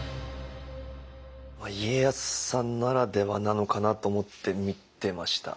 家康さんならではなのかなと思って見てました。